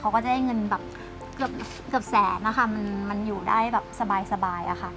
เขาก็จะได้เงินแบบเกือบแสนค่ะมันอยู่ได้สบาย